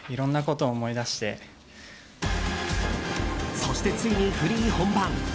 そして、ついにフリー本番。